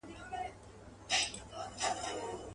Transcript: چاته وايی چي آواز دي اسماني دی.